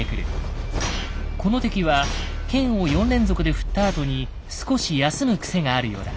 この敵は剣を４連続で振ったあとに少し休む癖があるようだ。